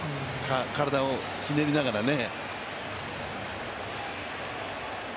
体をひねりながらね。